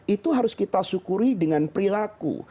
itu harus kita syukuri dengan perilaku